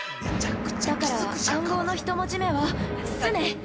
だから暗号の１文字目は「ス」ね。